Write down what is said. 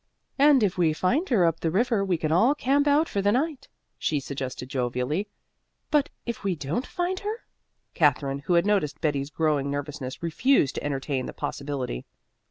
"And if we find her way up the river we can all camp out for the night," she suggested jovially. "But if we don't find her?" Katherine, who had noticed Betty's growing nervousness, refused to entertain the possibility.